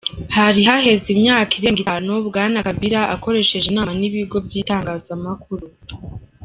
Hari haheze imyaka irenga itanu, Bwana Kabila akoresheje inama n'ibigo vy'itangazamakuru.